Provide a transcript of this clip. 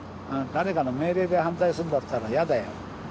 誰かの命令で反対するんだったら嫌だよ。